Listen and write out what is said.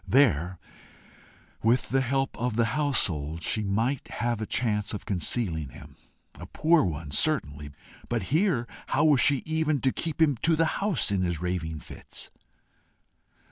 There, with the help of the household, she might have a chance of concealing him a poor one, certainly! but here, how was she even to keep him to the house in his raving fits?